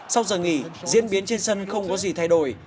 sau giờ nghỉ diễn biến trên sân không có gì thay đổi